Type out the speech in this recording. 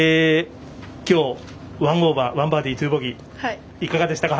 今日、１オーバー１バーディー、２ボギーいかがでしたか？